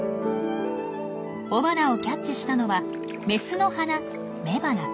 雄花をキャッチしたのはメスの花雌花。